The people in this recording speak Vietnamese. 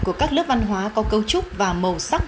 của các lớp văn hóa có cấu trúc và màu sắc